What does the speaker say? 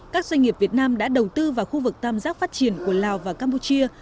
các doanh nghiệp việt nam đã đầu tư vào khu vực tam giác phát triển của lào và campuchia